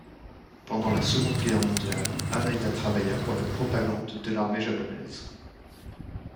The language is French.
Pendant la Seconde Guerre mondiale, Hamaya travailla pour la propagande de l’armée japonaise.